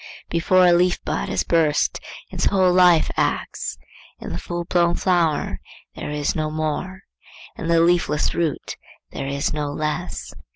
Before a leaf bud has burst, its whole life acts; in the full blown flower there is no more; in the leafless root there is no less.